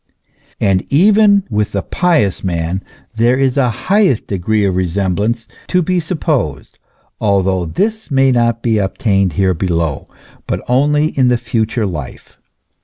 And even with the pious man there is a highest degree of resemblance to be supposed, though this may not be obtained here below, but only in the future life.